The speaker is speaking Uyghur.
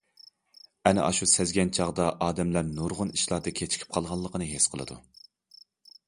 ئەنە ئاشۇ سەزگەن چاغدا ئادەملەر نۇرغۇن ئىشلاردا كېچىكىپ قالغانلىقىنى ھېس قىلىدۇ.